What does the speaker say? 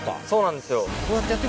そうなんですよ。